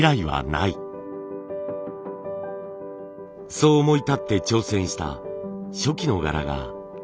そう思い立って挑戦した初期の柄がこちら。